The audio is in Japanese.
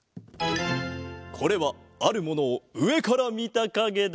これはあるものをうえからみたかげだ。